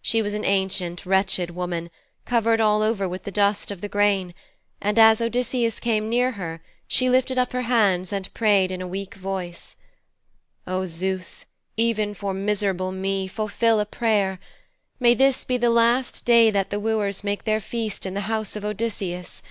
She was an ancient, wretched woman, covered all over with the dust of the grain, and, as Odysseus came near her, she lifted up her hands and prayed in a weak voice: 'O Zeus, even for miserable me, fulfil a prayer! May this be the last day that the wooers make their feast in the house of Odysseus!